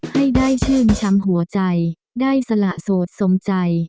ให้ได้ชื่นช้ำหัวใจได้สละโสดสมใจ